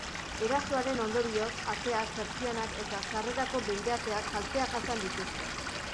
Erasoaren ondorioz, ateak, pertsianak eta sarrerako beirateak kalteak jasan dituzte.